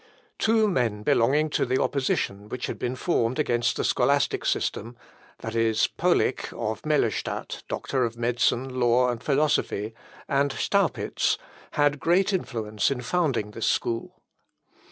Two men belonging to the opposition which had been formed against the scholastic system, viz., Pollich of Mellerstadt, doctor of medicine, law, and philosophy, and Staupitz, had great influence in founding this school.